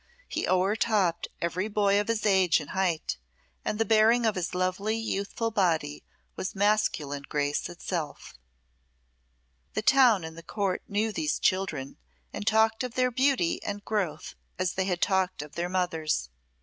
He o'ertopped every boy of his age in height, and the bearing of his lovely youthful body was masculine grace itself. The town and the Court knew these children, and talked of their beauty and growth as they had talked of their mother's.